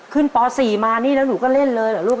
ป๔มานี่แล้วหนูก็เล่นเลยเหรอลูก